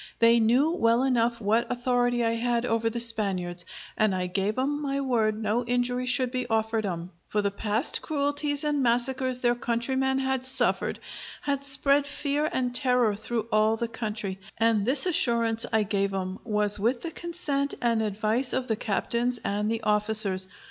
They knew well enough what authority I had over the Spaniards, and I gave 'em my word no injury should be offered 'em: for the past cruelties and massacres their countrymen had suffered, had spread fear and terror through all the country; and this assurance I gave 'em was with the consent and advice of the captains and the officers.